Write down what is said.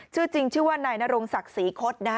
ชื่อจริงชื่อว่านายนรงศักดิ์ศรีคศนะฮะ